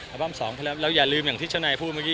อัลบั้ม๒เพราะฉะนั้นเราอย่าลืมอย่างที่เจ้านายพูดเมื่อกี้